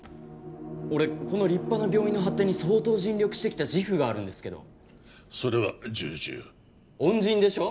俺この立派な病院の発展に相当尽力してきた自負があるんですけどそれは重々恩人でしょ？